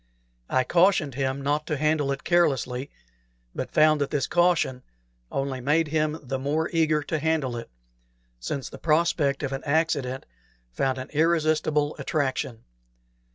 I cautioned him not to handle it carelessly, but found that this caution only made him the more eager to handle it, since the prospect of an accident found an irresistible attraction.